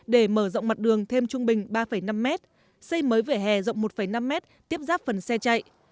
để mở rộng mặt đường thêm trung bình ba năm mét xây mới vỉa hè rộng một năm mét tiếp giáp phần xe chạy